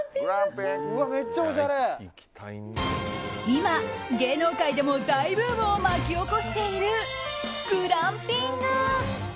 今、芸能界でも大ブームを巻き起こしているグランピング。